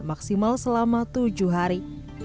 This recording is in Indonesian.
maksimal selama tujuh hari